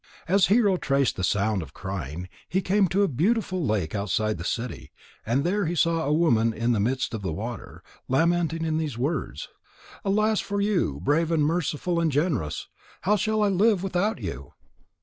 As Hero traced the sound of crying, he came to a beautiful lake outside the city, and there he saw a woman in the midst of the water, lamenting in these words: "Alas for you, brave and merciful and generous! How shall I live without you?"